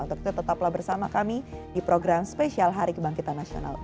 untuk itu tetaplah bersama kami di program spesial hari kebangkitan nasional dua ribu dua puluh tiga